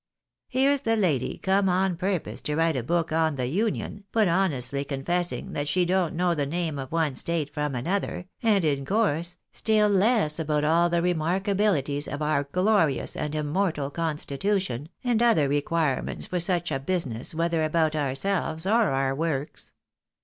Here's the lady come on purpose to write a book on the Union, but honestly confessing that she don't know the name of one State from another, and, in course, still less about all the remarkabilities of our glorious and immortal constitution, and other requirements for such a business, whether about ourselves or our works.